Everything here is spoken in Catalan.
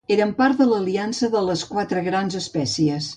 Eren part de l'Aliança de les Quatre Grans Espècies.